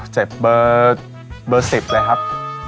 เจ็บเบอร์เบอร์สิบเลยครับ